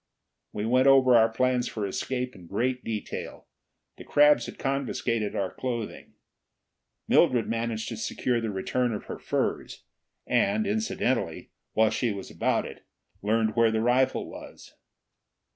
We went over our plans for escape in great detail. The crabs had confiscated our clothing. Mildred managed to secure the return of her furs, and, incidentally, while she was about it, learned where the rifle was.